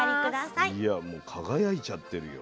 いやもう輝いちゃってるよ。